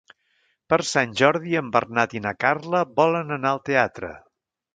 Per Sant Jordi en Bernat i na Carla volen anar al teatre.